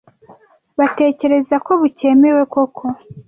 batekereza ko bucyemewe Koko